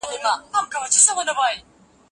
دوی د خپلو پلرونو فکري لاري تعقيبوي.